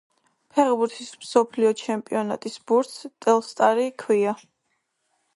ფეხბურთის მსოფლიო ჩემპიონატის ბურთს Telstar ჰქვია